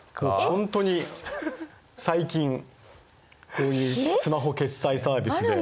ほんとに最近こういうスマホ決済サービスで。